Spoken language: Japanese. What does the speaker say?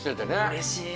うれしい。